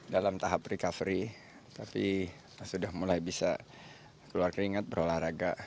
dalam tahap recovery tapi sudah mulai bisa keluar keringat berolahraga